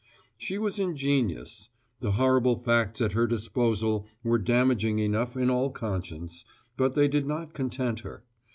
She was ingenious: the horrible facts at her disposal were damaging enough in all conscience: but they did not content her.